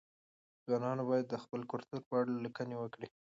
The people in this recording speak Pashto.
ځوانان باید د خپل کلتور په اړه لیکني وکړي.